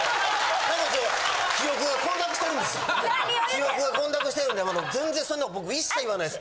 記憶が混濁してるんで全然そんなん僕一切言わないです。